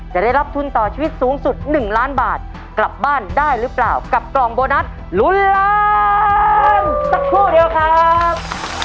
จะได้รับทุนต่อชีวิตสูงสุด๑ล้านบาทกลับบ้านได้หรือเปล่ากับกล่องโบนัสลุ้นล้านสักครู่เดียวครับ